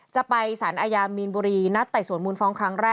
จะไปสารอาญามีนบุรีนัดไต่สวนมูลฟ้องครั้งแรก